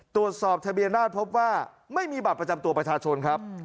ตรวจสอบทะเบียนราชพบว่าไม่มีบัตรประจำตัวประชาชนครับ